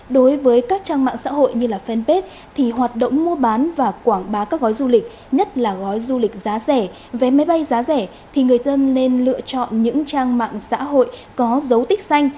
đối với các trang mạng xã hội như fanpage thì hoạt động mua bán và quảng bá các gói du lịch nhất là gói du lịch giá rẻ vé máy bay giá rẻ thì người dân nên lựa chọn những trang mạng xã hội có dấu tích xanh